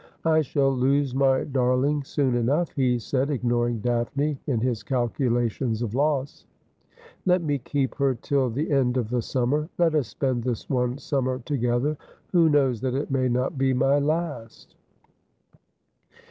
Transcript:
' I shall lose my darling soon enough,' he said, ignoring Daphne in his calculations of loss. ' Let me keep her till the end of the summer. Let us spend this one summer together. Who knows that it may not be my last